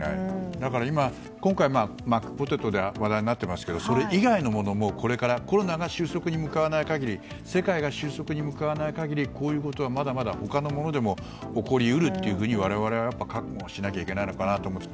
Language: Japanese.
だから今、今回マックポテトで話題になっていますけどそれ以外のものも、コロナが世界が収束に向かわない限りこういうことはまだまだ他のものでも起こり得ると、我々は覚悟しないといけないと思います。